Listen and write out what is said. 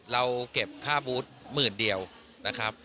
เราเก็บค่าบูธหมื่นเดียวนะครับ